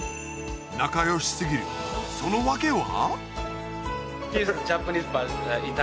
仲よしすぎるそのわけは？